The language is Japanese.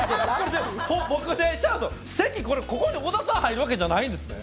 僕、席、ここに小田さん入るわけじゃないんですね？